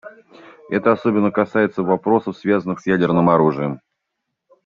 Это особенно касается вопросов, связанных с ядерным оружием.